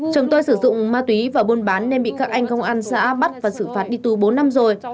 chồng tôi sử dụng ma túy và buôn bán nên bị các anh công an xã bắt và xử phạt đi tù bốn năm rồi